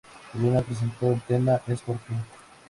Elena presentó el tema "Es por ti".